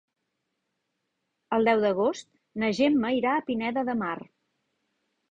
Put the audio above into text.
El deu d'agost na Gemma irà a Pineda de Mar.